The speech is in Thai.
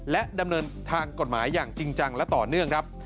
และดำเนินทางกฎหมายอย่างจริงจังและต่อเนื่องครับ